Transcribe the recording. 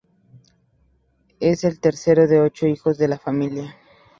Es el tercero de los ocho hijos de la familia.